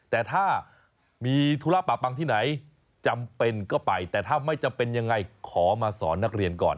แต่ถ้ามีธุระปะปังที่ไหนจำเป็นก็ไปแต่ถ้าไม่จำเป็นยังไงขอมาสอนนักเรียนก่อน